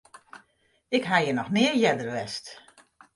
Ik ha hjir noch nea earder west.